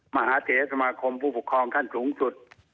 มหาเทศสมาคมผู้ปกครองขั้นสูงสุด